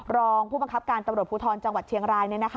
รองผู้บังคับการตำรวจภูทรจังหวัดเชียงราย